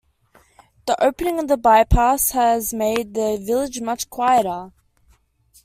The opening of the bypass has made the village much quieter.